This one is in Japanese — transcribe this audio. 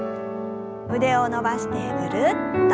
腕を伸ばしてぐるっと。